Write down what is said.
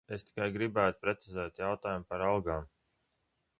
Es tikai gribētu precizēt jautājumā par algām.